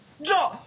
じゃあ。